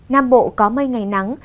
nam bộ có mây ngày nắng